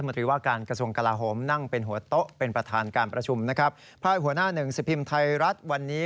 ไปตามข่าวสารกันต่อนว่านี้